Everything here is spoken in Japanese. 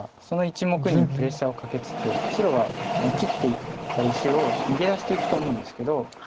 その１目にプレッシャーをかけつつ白は切っていった石を逃げ出していくと思うんですけど